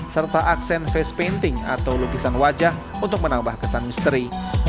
serta aksen face painting atau lukisan wajah untuk menambah kesan misteri